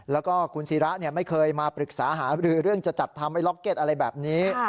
แล้วก็คุณศิระไม่เคยมาปรึกษาหาบรือเรื่องจะจัดทำไอล็อกเก็ตอะไรแบบนี้